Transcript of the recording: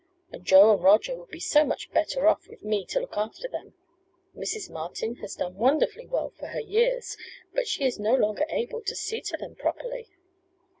And Joe and Roger would be so much better off with me to look after them. Mrs. Martin has done wonderfully well for her years, but she is no longer able to see to them properly.